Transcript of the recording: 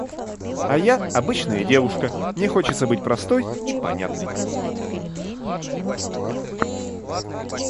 А я - обычная девушка, мне хочется быть простой и понятной.